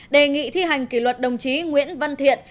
đề nghị thi hành kỷ luật đồng chí nguyễn văn thiện